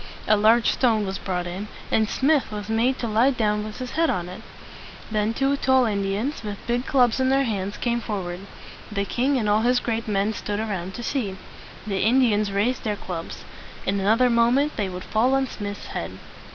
A large stone was brought in, and Smith was made to lie down with his head on it. Then two tall Indians with big clubs in their hands came forward. The king and all his great men stood around to see. The Indians raised their clubs. In another moment they would fall on Smith's head.